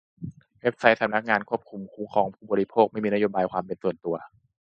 เว็บไซต์สำนักงานคุ้มครองผู้บริโภค ไม่มีนโยบายความเป็นส่วนตัว